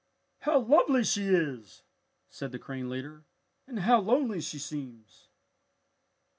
"How lovely she is!" said the crane leader. "And how lonely she seems!"